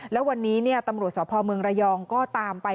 แล้ววันนี้ตำรวจสพเมืองระยองก็ตามไป